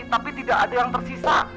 tapi tidak ada yang tersisa